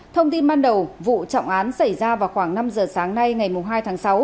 thông tin ban đầu vụ trọng án xảy ra vào khoảng năm giờ sáng nay ngày hai tháng sáu